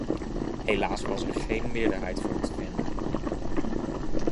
Helaas was er geen meerderheid voor te vinden.